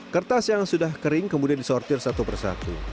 kertas yang sudah kering kemudian disortir satu persatu